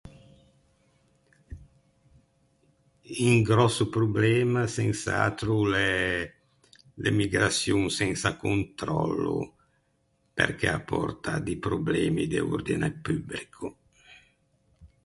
Un gròsso problema sens’atro o l’é l’emigraçion sensa contròllo, perché a pòrta di problemi de ordine pubrico.